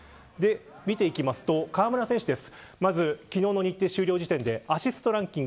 見ていきますと河村選手です。